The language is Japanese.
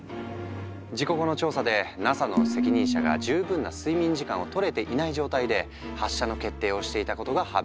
事故後の調査でＮＡＳＡの責任者が十分な睡眠時間をとれていない状態で発射の決定をしていたことが判明した。